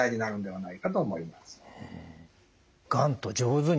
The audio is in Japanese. はい。